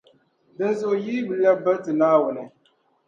Dinzuɣu yi yi lԑbi biriti Naawuni.